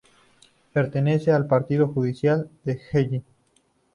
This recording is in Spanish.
Pertenece al partido judicial de Hellín.